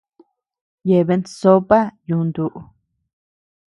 Yeabean sópa yuntu.